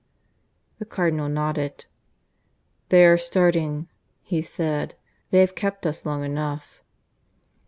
The Cardinal nodded. "They are starting," he said. "They have kept us long enough."